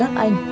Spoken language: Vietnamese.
của các anh